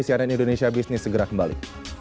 cnn indonesia business segera kembali